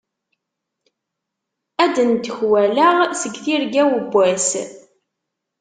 Ad d-ndekwaleɣ seg tirga-w n wass.